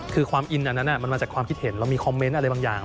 คือความอินอันนั้นมันมาจากความคิดเห็นเรามีคอมเมนต์อะไรบางอย่าง